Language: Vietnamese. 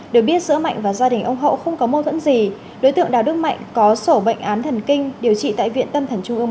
được biết giữa mạnh và gia đình ông hậu không có mâu thuẫn gì đối tượng đào đức mạnh có sổ bệnh án thần kinh điều trị tại viện tâm thần trung ương